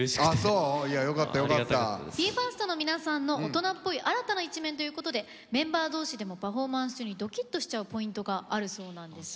ＢＥ：ＦＩＲＳＴの皆さんの大人っぽい新たな一面ということでメンバー同士でもパフォーマンス中にドキッとしちゃうポイントがあるそうなんです。